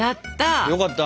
よかった。